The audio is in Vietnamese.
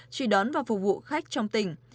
truy đón và phục vụ khách trong tỉnh